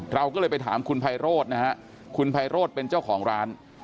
เราก็เลยไปถามคุณไพโรธนะฮะคุณไพโรธเป็นเจ้าของร้าน